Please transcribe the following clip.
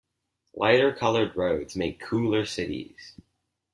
Lighter coloured roads make cooler cities.